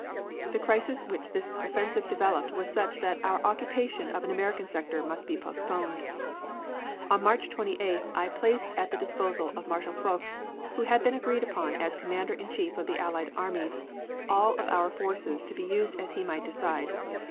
The crisis which this offensive developed was such that our occupation of an American sector must be postponed. On March 28th I placed at the disposal of Marshal Foch, who had been agreed upon as Commander in Chief of the Allied armies, all of our forces to be used as he might decide.